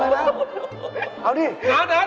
นะาน้าบิ๊ก